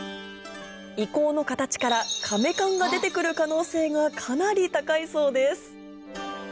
遺構の形から甕棺が出て来る可能性がかなり高いそうです